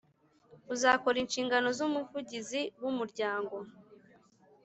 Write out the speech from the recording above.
uzakora inshingano z Umuvugizi w umuryango